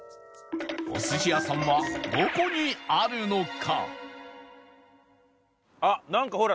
お寿司屋さんはどこにあるのか？